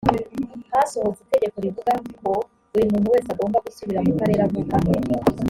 hasohotse itegeko rivuga ko buri muntu wese agomba gusubira mu karere avukamo